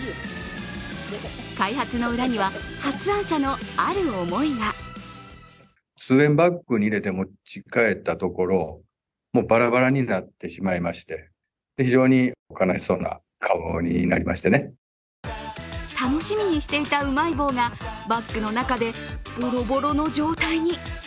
開発の裏には、発案者のある思いが楽しみにしていたうまい棒がバッグの中でボロボロの状態に。